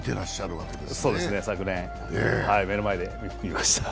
そうですね、昨年、目の前で見ました。